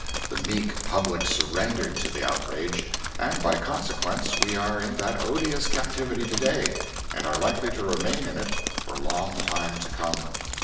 The meek public surrendered to the outrage, and by consequence we are in that odious captivity to day, and are likely to remain in it for a long time to come.